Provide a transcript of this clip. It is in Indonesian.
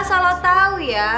salah tau ya